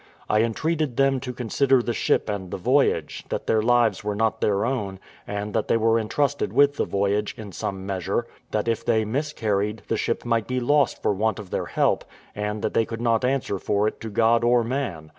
I entreated them to consider the ship and the voyage, that their lives were not their own, and that they were entrusted with the voyage, in some measure; that if they miscarried, the ship might be lost for want of their help, and that they could not answer for it to God or man.